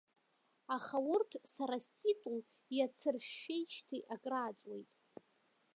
Аха урҭ сара ститул иацыршәшәеижьҭеи акрааҵуеит.